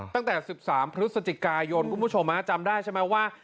ตั้งแต่๑๓พฤศจิกายนคุณผู้ชมจำได้ใช่ไหมว่า